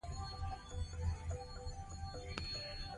نه په ویجاړۍ.